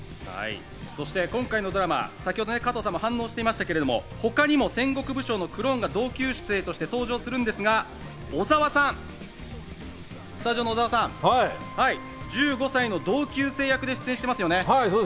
そして今回のドラマ、加藤さんも反応していましたが、他にも戦国武将のクローンが同級生として登場するんですが、小澤さん、スタジオの小澤さん、１５歳の同級生役で出演していますね。